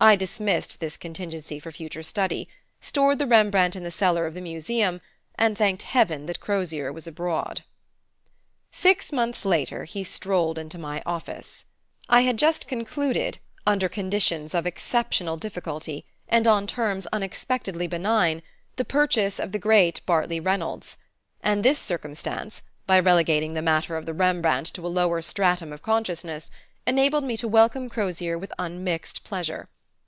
I dismissed this contingency for future study, stored the Rembrandt in the cellar of the Museum, and thanked heaven that Crozier was abroad. Six months later he strolled into my office. I had just concluded, under conditions of exceptional difficulty, and on terms unexpectedly benign, the purchase of the great Bartley Reynolds; and this circumstance, by relegating the matter of the Rembrandt to a lower stratum of consciousness, enabled me to welcome Crozier with unmixed pleasure.